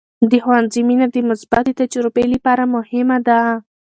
د ښوونځي مینه د مثبتې تجربې لپاره مهمه ده.